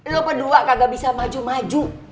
lo kedua kagak bisa maju maju